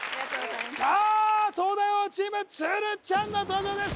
さあ東大王チーム鶴ちゃんの登場です